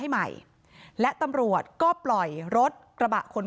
แล้วเดี๋ยวเล่าความคลิปกันก่อน